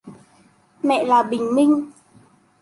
Mẹ là bình minh